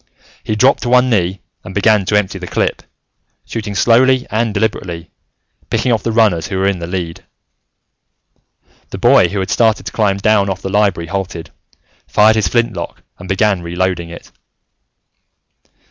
He dropped to one knee and began to empty the clip, shooting slowly and deliberately, picking off the runners who were in the lead. The boy who had started to climb down off the Library halted, fired his flintlock, and began reloading it.